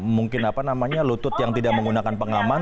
mungkin apa namanya lutut yang tidak menggunakan pengaman